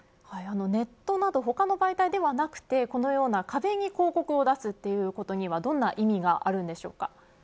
ネットなど他の媒体ではなく、このような壁に広告を出すということにはどんな意味があるんでしょうか。